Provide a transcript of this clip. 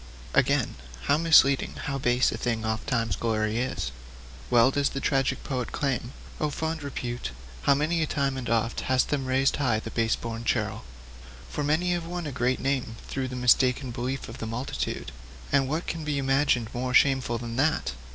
'Again, how misleading, how base, a thing ofttimes is glory! Well does the tragic poet exclaim: '"Oh, fond Repute, how many a time and oft Hast them raised high in pride the base born churl!" For many have won a great name through the mistaken beliefs of the multitude and what can be imagined more shameful than that?